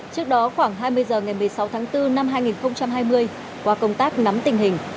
trước đó khoảng hai mươi h ngày một mươi sáu tháng bốn năm hai nghìn hai mươi qua công tác nắm tình hình